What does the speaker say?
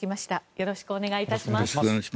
よろしくお願いします。